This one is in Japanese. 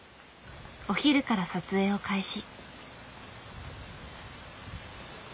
お昼から撮影を開始。